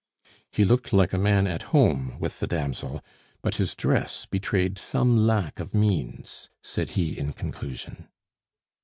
"He looked like a man at home with the damsel, but his dress betrayed some lack of means," said he in conclusion.